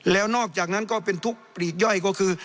แล้วนอกจากนั้นก็เป็นทุกปลีกย่อยก็คือ